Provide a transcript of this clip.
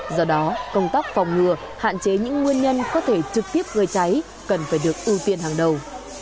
do đó công tác phòng ngừa hạn chế những nguyên nhân có thể trực tiếp gây cháy cần phải được ưu tiên hàng đầu